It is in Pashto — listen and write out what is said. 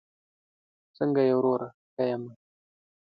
څنګه یې وروره؟ ښه یمه